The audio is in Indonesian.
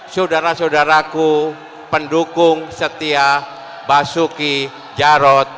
saudara saudaraku pendukung setia basuki jarod